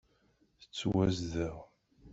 Tettwazdeɣ.